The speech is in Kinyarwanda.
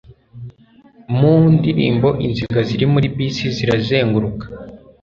Mu ndirimbo Inziga ziri muri bisi Zira zenguruka